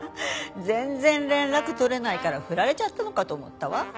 全然連絡取れないからふられちゃったのかと思ったわ。